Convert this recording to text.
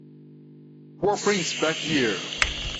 What brings you back here?